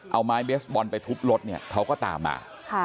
เอาไม้เบสบอลไปทุบรถเนี่ยเขาก็ตามมา